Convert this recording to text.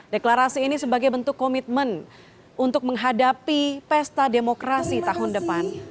deklarasi ini sebagai bentuk komitmen untuk menghadapi pesta demokrasi tahun depan